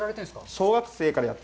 小学生からやって。